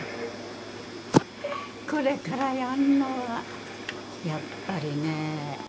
これからやるのはやっぱりね